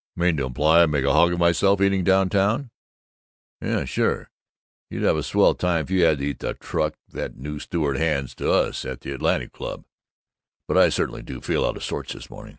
"Mean to imply I make a hog of myself, eating down town? Yes, sure! You'd have a swell time if you had to eat the truck that new steward hands out to us at the Athletic Club! But I certainly do feel out of sorts, this morning.